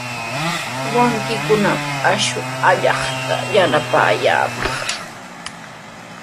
Wawqiikunami akshu allaytraw yanapaykaayaaman.